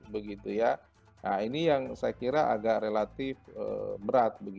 begitu ya nah ini yang saya kira agak relatif berat